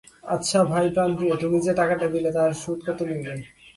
আচ্ছা ভাই প্রাণপ্রিয়ে, তুমি যে টাকাটা দিলে, তাহার সুদ কত লইবে?